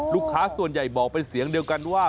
ลูกค้าส่วนใหญ่บอกเป็นเสียงเดียวกันว่า